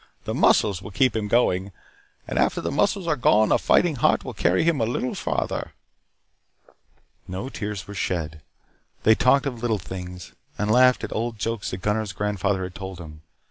The muscles will keep him going, and after the muscles are gone a fighting heart will carry him a little farther." No tears were shed. They talked of little things, and laughed at old jokes that Gunnar's grandfather had told them.